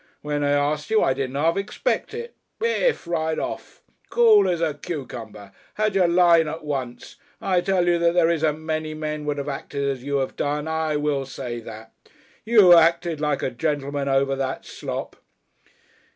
When I asked you, I didn't half expect it. Bif! Right off. Cool as a cucumber. Had your line at once. I tell you that there isn't many men would have acted as you have done, I will say that. You acted like a gentleman over that slop."